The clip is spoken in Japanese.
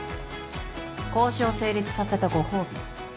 交渉を成立させたご褒美